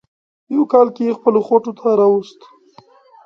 په یوه کال کې یې خپلو خوټو ته راوست.